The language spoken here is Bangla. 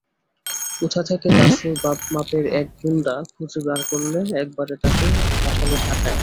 কোথা থেকে দাশুর মাপের এক গুণ্ডা খুঁজে বার করলে– একেবারে তাকে পাঠালে ঢাকায়।